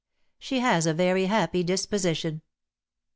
"She has a very happy disposition."